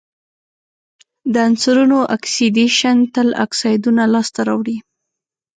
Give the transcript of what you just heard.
د عنصرونو اکسیدیشن تل اکسایدونه لاسته راوړي.